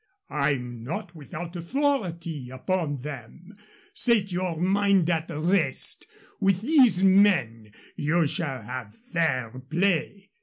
I'm not without authority upon them. Set your mind at rest. With these men you shall have fair play."